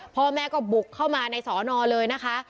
พ่อแม่ก็บุกเข้ามาในสอนอเลยนะคะ